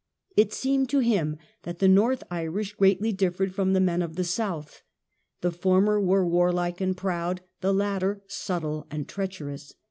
It seemed to him that the North Irish greatly differed from the men of the South. The former were warlike and proud, the latter subtle and treacherous.